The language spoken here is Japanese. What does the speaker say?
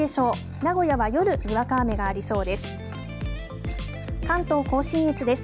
名古屋は夜、にわか雨がありそうです。